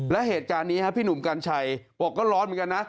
และเหตุการณ์นี้พี่หนุ่มกัญชัยบอกก็ร้อนเหมือนกันนะ